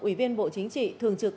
ủy viên bộ chính trị thường trực